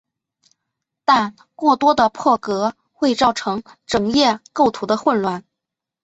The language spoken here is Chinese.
但过多的破格会造成整页构图的混乱。